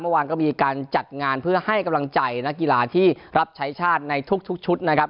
เมื่อวานก็มีการจัดงานเพื่อให้กำลังใจนักกีฬาที่รับใช้ชาติในทุกชุดนะครับ